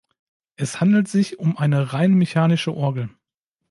Es handelt sich um eine rein mechanische Orgel.